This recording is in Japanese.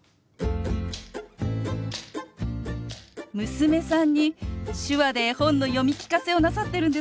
娘さんに手話で絵本の読み聞かせをなさってるんですね。